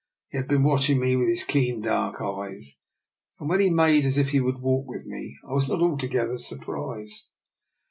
He had been watching me with his keen dark eyes, and when he made as if he would walk with me I was not altogether surprised.